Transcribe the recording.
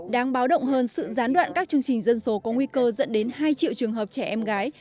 đáng báo động hơn sự gián đoạn các chương trình dân số có nguy cơ dẫn đến hai triệu trường hợp trẻ em gái